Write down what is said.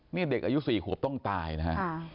นี่เด็กอายุสี่ครับต้องตายนะฮะ